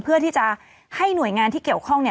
เพื่อที่จะให้หน่วยงานที่เกี่ยวข้อง